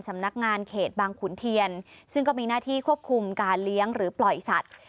สำนักงานเขตบางขุนเทียนซึ่งก็มีหน้าที่ควบคุมการเลี้ยงหรือปล่อยสัตว์